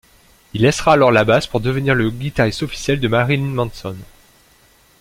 Il laissera alors la basse pour devenir le guitariste officiel de Marilyn Manson.